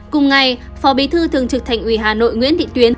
cùng ngày phó bí thư thường trực thành uỷ hà nội nguyễn định